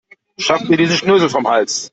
Schafft mir diesen Schnösel vom Hals.